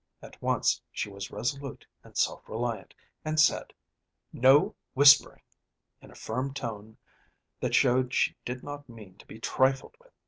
At once she was resolute and self reliant, and said, "No whispering!" in a firm tone that showed she did not mean to be trifled with.